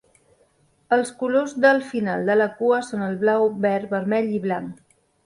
Els colors del final de la cua són el blau, verd, vermell i blanc.